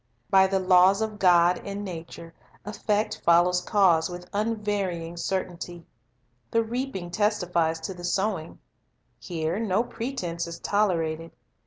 By the laws of God in nature, effect follows cause with unvarying certainty. The reaping testifies to the sowing. Here no pretense is tolerated.